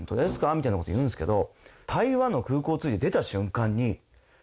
みたいな事言うんですけど。